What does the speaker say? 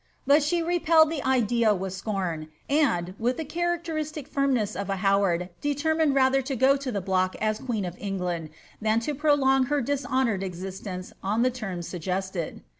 But she repelled the idea with scorn ; and, with the characteristic firmness of a Howard, determined rather to go to the block as (]ueen of England than to prolong her dishonoured existence on the terms suggested.